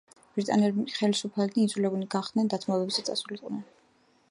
ბრიტანელი ხელისუფალნი იძულებულნი გახდნენ დათმობებზე წასულიყვნენ.